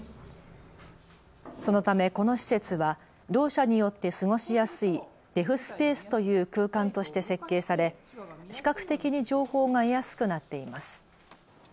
そのため、この施設はろう者によって過ごしやすいデフスペースという空間として設計され視覚的に情報が得やすくなっています。